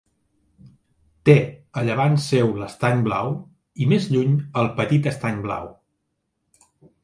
Té a llevant seu l'Estany Blau i, més lluny, el Petit Estany Blau.